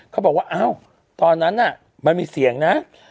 เขาบอกว่าอ้าวตอนนั้นน่ะมันมีเสียงนะ